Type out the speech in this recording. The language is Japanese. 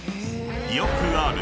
［よくある］